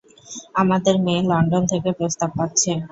আমাদের মেয়ে লন্ডন থেকে প্রস্তাব পাচ্ছে।